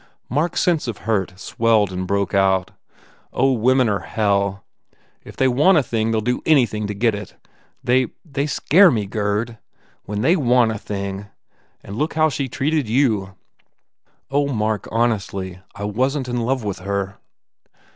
Mark s sense of hurt swelled and broke out, u Oh, women are hell ! If they want a thing they ll do anything to get it! They they scare me, Gurd! When they want a thing! ... And look how she treated you!" "Oh, Mark, honestly, I wasn t in love with her!"